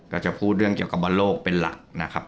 ก็จะพูดเรื่องเกี่ยวกับบอลโลกเป็นหลักนะครับ